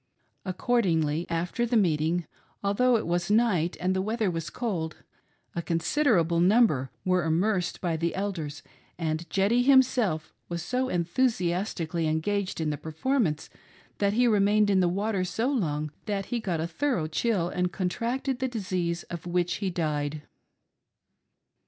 Accordingly, after the meeting, although it was night and the weather was cold, a considerable number were immersed by the Elders, and Jeddy himself was so enthusiastically engaged in the performance that he remained in the water so long that he got a thorough chill alid contracted the disease of which he died.